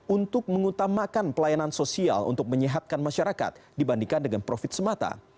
untuk mengutamakan pelayanan sosial untuk menyehatkan masyarakat dibandingkan dengan profit semata